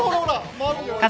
回るんじゃない？